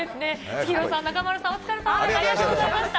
チヒロさん、中丸さん、お疲れさまでした。